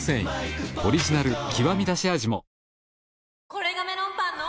これがメロンパンの！